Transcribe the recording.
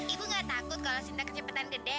ibu gak takut kalau sinta kecepatan gede